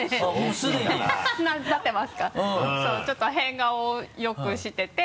ちょっと変顔をよくしてて。